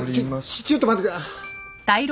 ちょっと待って。